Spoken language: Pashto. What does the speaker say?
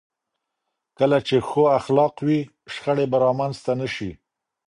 کله چې ښو اخلاق وي، شخړې به رامنځته نه شي.